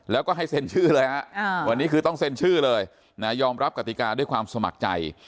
แล้วก็ให้เซ็นชื่อเลยฮะวันนี้คือต้องเซ็นชื่อเลยยอมรับกติกาด้วยความสมัครใจ